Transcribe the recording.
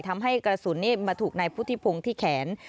ทำให้กระสุนนี้มาถูกนายพุทธิพงศ์ที่แขน